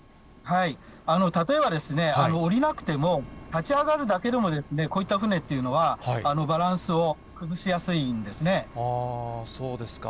例えば降りなくても、立ち上がるだけでも、こういった船っていうのは、そうですか。